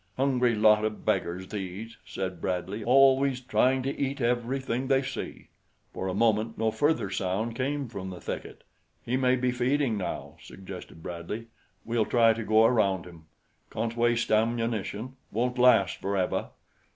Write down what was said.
"Hungry lot o' beggars, these," said Bradley; "always trying to eat everything they see." For a moment no further sound came from the thicket. "He may be feeding now," suggested Bradley. "We'll try to go around him. Can't waste ammunition. Won't last forever.